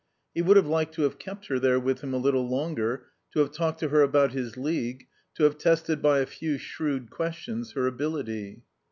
He would have liked to have kept her there with him a little longer, to have talked to her about his League, to have tested by a few shrewd questions her ability.